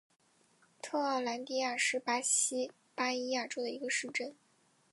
特奥兰迪亚是巴西巴伊亚州的一个市镇。